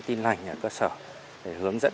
tin lạnh ở cơ sở để hướng dẫn